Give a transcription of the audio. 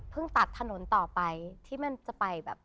ตัดถนนต่อไปที่มันจะไปแบบ